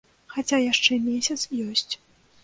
Хаця яшчэ месяц ёсць.